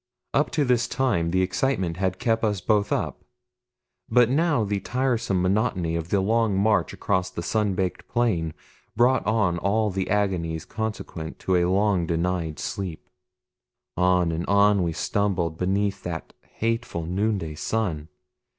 Up to this time the excitement had kept us both up; but now the tiresome monotony of the long march across the sun baked plain brought on all the agonies consequent to a long denied sleep. On and on we stumbled beneath that hateful noonday sun.